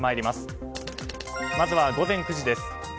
まずは午前９時です。